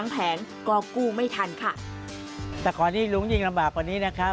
แค่ใบเดียวพอฮื้ม